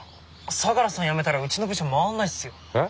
相良さん辞めたらうちの部署回んないっすよ。え？